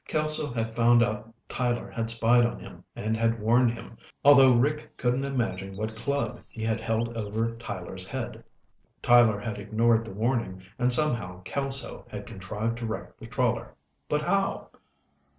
Kelso had found out Tyler had spied on him and had warned him, although Rick couldn't imagine what club he had held over Tyler's head. Tyler had ignored the warning and somehow Kelso had contrived to wreck the trawler. But how?